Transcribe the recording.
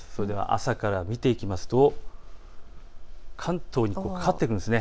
朝から見ていきますと関東にかかってくるんです。